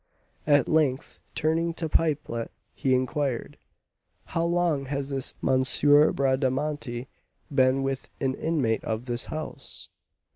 At length, turning to Pipelet, he inquired: "How long has this M. Bradamanti been an inmate of this house?"